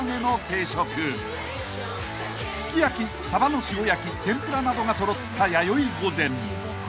［すき焼きサバの塩焼き天ぷらなどが揃った］